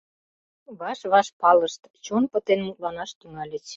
Ваш-ваш палышт, чон пытен мутланаш тӱҥальыч.